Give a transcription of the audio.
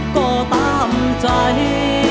ก็ตามใจ